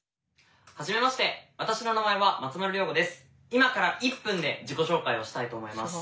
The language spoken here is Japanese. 今から１分で自己紹介をしたいと思います。